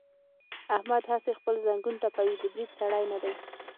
احمد هسې خپل زنګون ټپوي، د برید سړی نه دی.